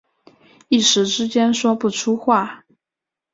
一时之间说不出话